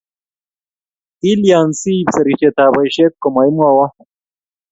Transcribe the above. kilyan siib serisietab boisiet ko maimwowo?